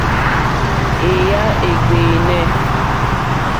Èyà é ɡbɛ̀ɛ̀nɛ̀.